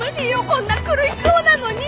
こんな苦しそうなのに。